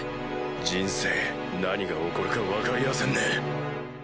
人生何が起こるか分かりやせんね。